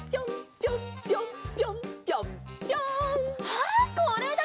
あっこれだ！